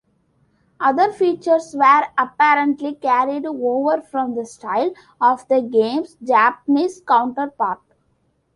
Other features were apparently carried over from the style of the game's Japanese counterpart.